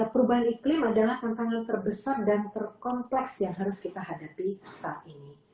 perubahan iklim adalah tantangan terbesar dan terkompleks yang harus kita hadapi saat ini